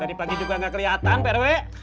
dari pagi juga gak kelihatan pak rw